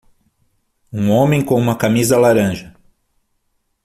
Um homem com uma camisa laranja.